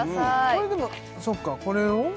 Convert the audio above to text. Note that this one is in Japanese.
これでもそっかこれを？